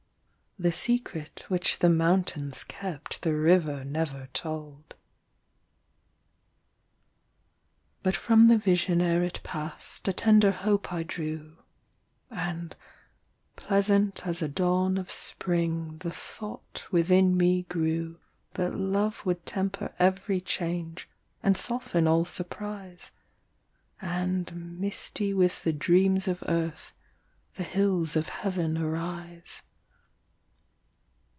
The secret which the mountains kept The river never told. But from the vision ere it passed A tender hope I drew, And, pleasant as a dawn of spring, The thought within me grew, That love would temper every change, And soften all surprise, And, misty with the dreams of earth, The hills of Heaven arise.